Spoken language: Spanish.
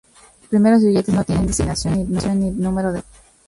Los primeros billetes no tenían designación ni número de serie.